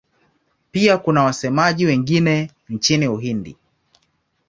Pia kuna wasemaji wengine nchini Uhindi.